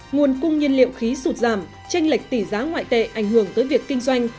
nguồn cung nhiên liệu khí sụt giảm tranh lệch tỷ giá ngoại tệ ảnh hưởng tới việc kinh doanh